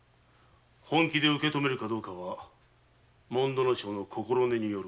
本気で受けとめるかどうかは主水正の心根による。